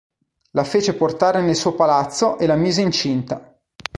La fece portare nel suo palazzo e la mise incinta..